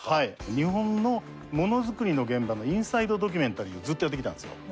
日本のものづくりの現場のインサイドドキュメンタリーをずっとやってきたんですよ。